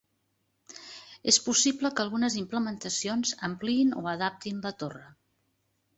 És possible que algunes implementacions ampliïn o adaptin la torre.